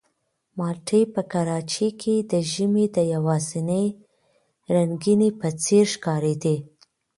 مالټې په کراچۍ کې د ژمي د یوازینۍ رنګینۍ په څېر ښکارېدې.